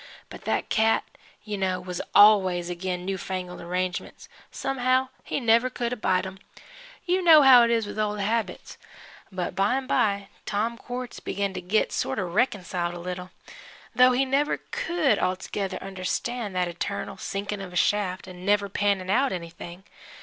But that cat, you know, was always agin new fangled arrangements somehow he never could abide 'em. You know how it is with old habits. But by an' by Tom Quartz begin to git sort of reconciled a little, though he never could altogether understand that eternal sinkin' of a shaft an' never pannin' out anything.